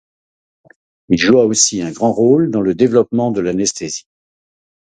Il joua aussi un grand rôle dans le développement de l'anesthésie.